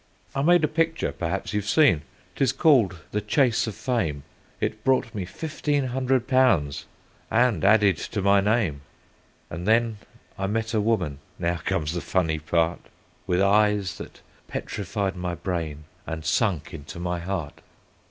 "I made a picture perhaps you've seen, 'tis called the `Chase of Fame.' It brought me fifteen hundred pounds and added to my name, And then I met a woman now comes the funny part With eyes that petrified my brain, and sunk into my heart.